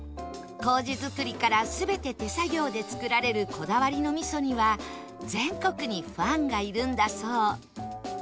麹作りから全て手作業で造られるこだわりの味噌には全国にファンがいるんだそう